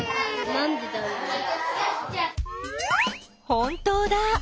本当だ。